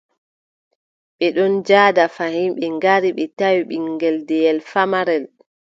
Ɓe ɗon njaada fayin, ɓe ngari, ɓe tawi, ɓiŋngel deyel famarel.